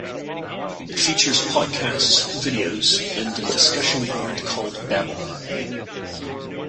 It features podcasts, videos and an discussion board called "babble".